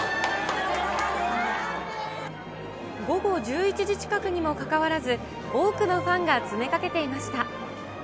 午後１１時近くにもかかわらず、多くのファンが詰めかけていました。